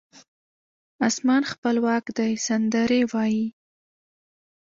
اسمان خپلواک دی سندرې وایې